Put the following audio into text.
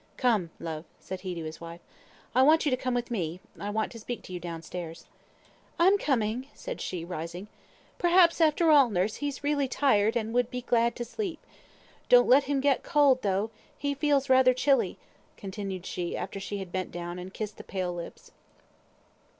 "Come, love," said he to his wife. "I want you to come with me. I want to speak to you down stairs." "I'm coming," said she, rising; "perhaps, after all, nurse, he's really tired, and would be glad to sleep. Don't let him get cold, though, he feels rather chilly," continued she, after she had bent down, and kissed the pale lips.